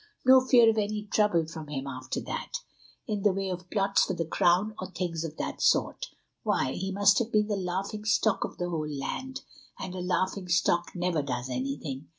No fear of any trouble from him after that, in the way of plots for the Crown, or things of that sort. Why, he must have been the laughing stock of the whole land—and a laughing stock never does anything.